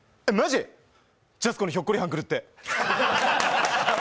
ジャスコにひょっこりはん来るって。